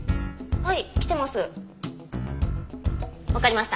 はい。